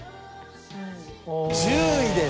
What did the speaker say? １０位です。